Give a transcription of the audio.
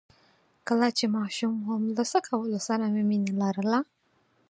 کله چې ماشوم وم له څه کولو سره مې مينه لرله؟